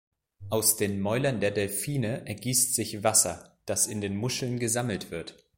Aus den Mäulern der Delfine ergießt sich Wasser, das in den Muscheln gesammelt wird.